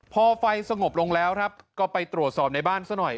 พอไฟสงบลงแล้วครับก็ไปตรวจสอบในบ้านซะหน่อย